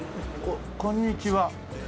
こんにちは。